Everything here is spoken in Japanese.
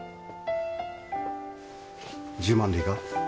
１０万でいいか？